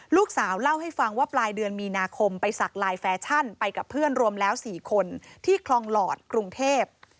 ลูกสาวเล่าให้ฟังว่าปลายเดือนมีนาคมไปสักลายแฟชั่นไปกับเพื่อนรวมแล้ว๔คนที่คลองหลอดกรุงเทพ